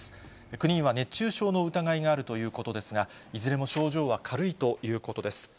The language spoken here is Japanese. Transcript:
９人は熱中症の疑いがあるということですが、いずれも症状は軽いということです。